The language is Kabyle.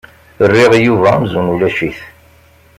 Rriɣ Yuba amzun ulac-it.